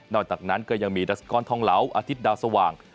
อกจากนั้นก็ยังมีดรัสกรทองเหลาอาทิตย์ดาวสว่าง